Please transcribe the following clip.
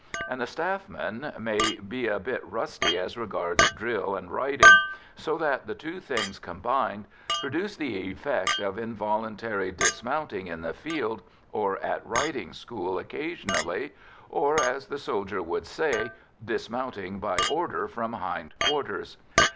And the staff man may be a bit rusty as regards drill and riding, so that the two things combined produce the effect of involuntary dismounting in the field or at riding school occasionally or, as the soldier would say, "dismounting by order from hind quarters."